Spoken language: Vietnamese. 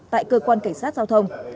tại cơ quan cảnh sát giao thông